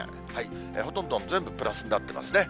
ほとんど全部プラスになってますね。